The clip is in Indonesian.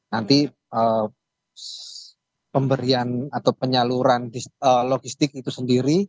nanti pemberian atau penyaluran logistik itu sendiri